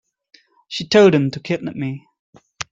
She told them to kidnap me.